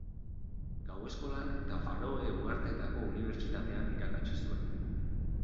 Gau-eskolan eta Faroe Uharteetako Unibertsitatean irakatsi zuen.